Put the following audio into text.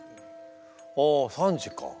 「あ３時か。